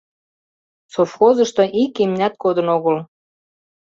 Совхозышто ик имнят кодын огыл.